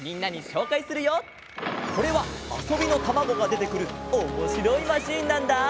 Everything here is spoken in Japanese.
これはあそびのたまごがでてくるおもしろいマシーンなんだ！